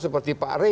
seperti pak ria